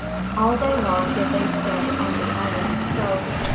All day long did they stay on the islet of stone.